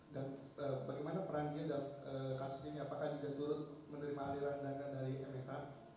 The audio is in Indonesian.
dan bagaimana peran dia dalam kasus ini apakah dia turut menerima aliran dana dari msa